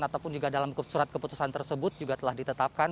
ataupun juga dalam surat keputusan tersebut juga telah ditetapkan